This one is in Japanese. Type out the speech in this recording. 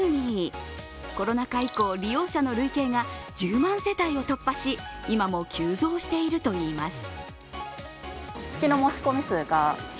コロナ禍以降、利用者の累計が１０万世帯を突破し今も急増しているといいます。